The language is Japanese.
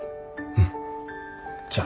うんじゃあ。